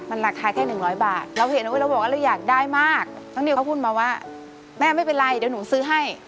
แม่ไม่เป็นไรเดี๋ยวหนูซื้อให้